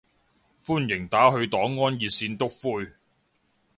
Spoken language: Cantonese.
歡迎打去黨安熱線篤灰